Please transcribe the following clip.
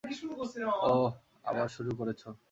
অহ, আবার শুরু করেছ!